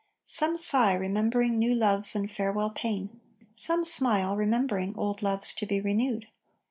Some sigh, remembering new loves and farewell pain. Some smile, remembering old loves to be renewed.